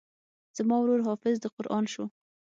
زما ورور حافظ د قران سو.